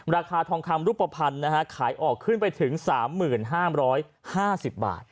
ราคาทองคำรูปภัณฑ์ขายออกขึ้นไปถึง๓๕๕๐บาท